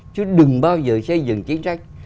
chứ đừng bao giờ xây dựng chính sách